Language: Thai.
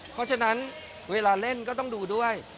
เพราะฉะนั้นเวลาเล่นก็ต้องดูด้วย